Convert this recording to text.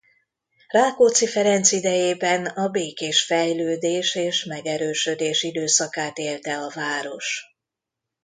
Rákóczi Ferenc idejében a békés fejlődés és megerősödés időszakát élte a város.